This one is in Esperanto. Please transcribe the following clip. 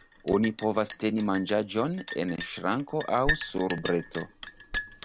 Oni povas teni manĝaĵon en ŝranko aŭ sur breto.